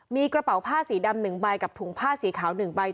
มีกระเป๋าผ้าสีดำ๑ใบกับถุงผ้าสีขาว๑ใบ